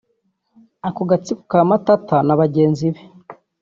Ako gatsiko ka Matata na bagenzi be